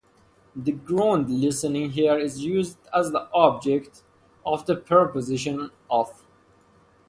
The gerund "listening" here is used as the object of the preposition "of".